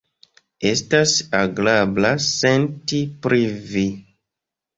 Estas agrabla senti pri Vi.